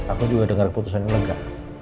aku juga dengar keputusanmu lega